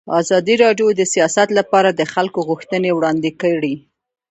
ازادي راډیو د سیاست لپاره د خلکو غوښتنې وړاندې کړي.